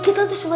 kita tuh sumpah